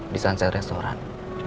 di sunset restaurant